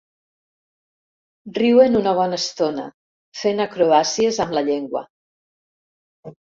Riuen una bona estona, fent acrobàcies amb la llengua.